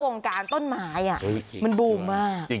วงการต้นไม้มันบูมมาก